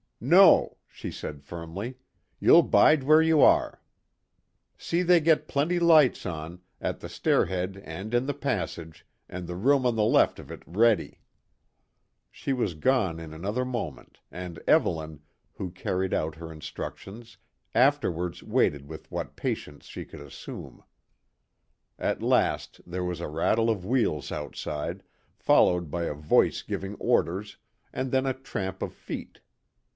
"No," she said firmly, "ye'll bide where ye are. See they get plenty lights on at the stair head and in the passage and the room on the left of it ready." She was gone in another moment and Evelyn, who carried out her instructions, afterwards waited with what patience she could assume. At last there was a rattle of wheels outside, followed by a voice giving orders, and then a tramp of feet.